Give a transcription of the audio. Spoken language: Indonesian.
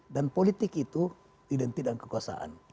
dan politik itu identik dengan kekuasaan